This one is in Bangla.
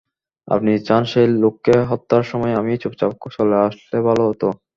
আপনি চান সেই লোককে হত্যার সময় আমি চুপচাপ চলে আসলে ভালো হতো?